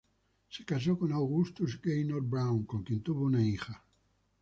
Se casó con Augustus Gaynor Brown, con quien tuvo una hija.